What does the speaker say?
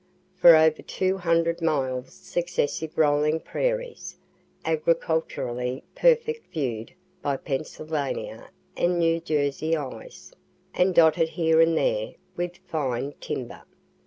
For over two hundred miles successive rolling prairies, agriculturally perfect view'd by Pennsylvania and New Jersey eyes, and dotted here and there with fine timber.